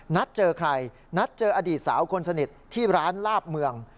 นัดเจอใครนัดเจออดีตสาวคนสนิทที่ร้านลาบเมือง